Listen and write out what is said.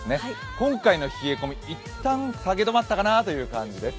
今回の冷え込みいったんは下げ止まったかなという感じです。